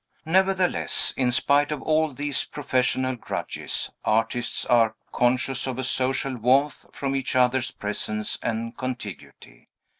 Nevertheless, in spite of all these professional grudges, artists are conscious of a social warmth from each other's presence and contiguity.